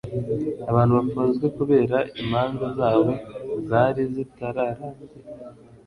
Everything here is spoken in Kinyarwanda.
abantu bafunzwe kubera imanza zabo zari zitararangira